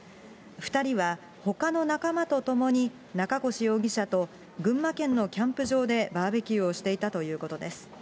２人はほかの仲間と共に中越容疑者と群馬県のキャンプ場でバーベキューをしていたということです。